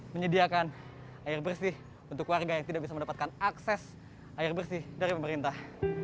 menyediakan air bersih untuk warga yang tidak bisa mendapatkan akses air bersih dari pemerintah